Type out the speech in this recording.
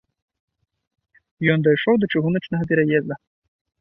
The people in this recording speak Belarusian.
Ён дайшоў да чыгуначнага пераезда.